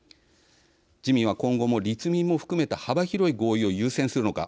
自民は今後も、立民も含めた幅広い合意を優先するのか。